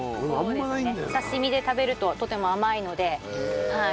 刺し身で食べるととても甘いのではい。